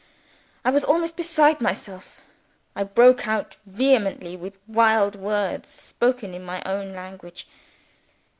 I was almost beside myself I broke out vehemently with wild words spoken in my own language.